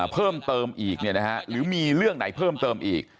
เพิ่มเติมอีกหรือมีเรื่องไหนเพิ่มเติมอีก